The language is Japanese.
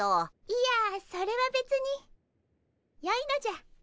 いやそれはべつによいのじゃ。